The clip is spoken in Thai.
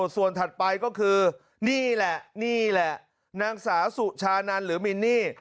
ส่วนถัดไปก็คือนี่แหละนี่แหละนางสาวสุชานันหรือมินนี่